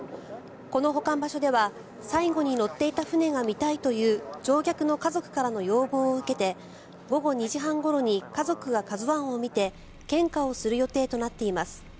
この保管場所では最後に乗っていた船が見たいという乗客の家族からの要望を受けて午後２時半ごろに家族が「ＫＡＺＵ１」を見て献花をする予定となっています。